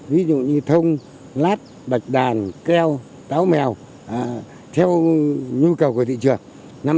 ví dụ như thông lát bạch đàn keo mèo theo nhu cầu của thị trường